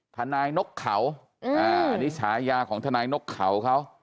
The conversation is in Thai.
ฐานายนกเขาอันนี้ฉายาของฐานายนกเขาครับ